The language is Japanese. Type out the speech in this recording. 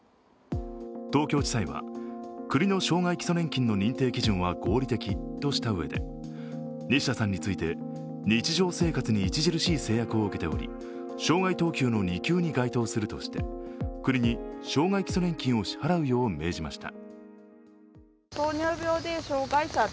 東京地裁は、国の障害基礎年金の認定基準は合理的としたうえで西田さんについて、日常生活に著しい制約を受けており障害等級の２級に該当するとして国に障害基礎年金を支払うよう命じました。